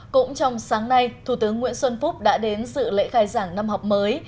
cũng trong sáng nay thủ tướng nguyễn xuân phúc đã đến sự lễ khai giảng năm học mới